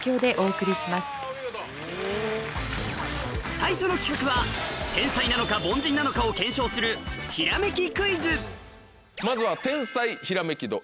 最初の企画は天才なのか凡人なのかを検証するまずは。